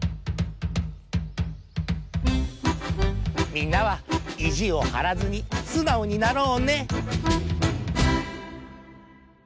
みんなはいじをはらずにすなおになろうね。